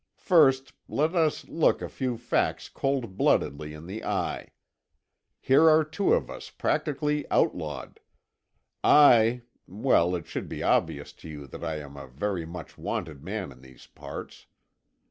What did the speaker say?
First, let us look a few facts cold bloodedly in the eye. Here are two of us practically outlawed. I—well, it should be obvious to you that I am a very much wanted man in these parts.